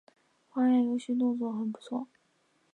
还原游戏动作很不错